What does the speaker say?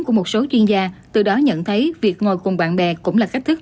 của một số chuyên gia từ đó nhận thấy việc ngồi cùng bạn bè cũng là cách thức